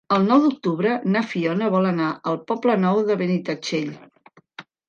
El nou d'octubre na Fiona vol anar al Poble Nou de Benitatxell.